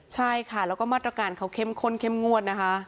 ใช่ค่ะแล้วก็มาตรการเขาเข้มข้นเข้มงวดนะคะ